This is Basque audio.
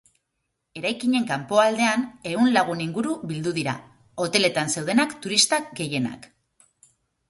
Eraikinen kanpoaldean ehun lagun inguru bildu dira, hoteletan zeuden turistak gehienak.